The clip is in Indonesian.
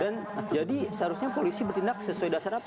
dan jadi seharusnya polisi bertindak sesuai dasar apa